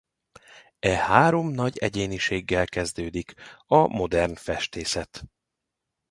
E három nagy egyéniséggel kezdődik a modern festészet.